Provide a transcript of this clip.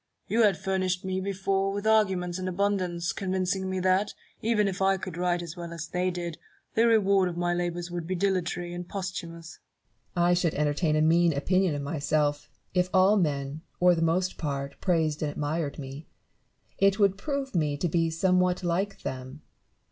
You had furnished me before with arguments in abundance, convincing me that, even if I could write as well as they did, the reward of my labours would be dilatory and posthumous. Barrow. I should entertain a mean opinion of myself, if all men or the most part praised and admired me : it would prove me to be somewhat like them.